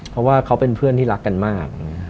เพราะว่าเขาเป็นเพื่อนที่รักกันมาก